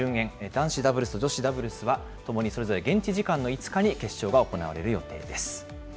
男子ダブルスと女子ダブルスは、ともにそれぞれ現地時間の５日に決勝が行われる予定です。